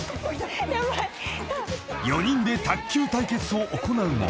［４人で卓球対決を行うも］